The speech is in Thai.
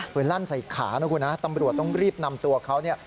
ปืนลั่นใส่ขานะคุณตำรวจต้องรีบนำตัวเขา